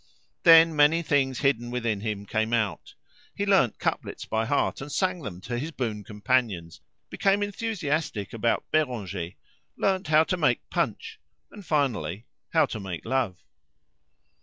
Then many things hidden within him came out; he learnt couplets by heart and sang them to his boon companions, became enthusiastic about Beranger, learnt how to make punch, and, finally, how to make love.